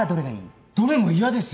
どれも嫌ですよ。